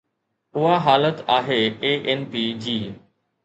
اها حالت آهي ANP جي.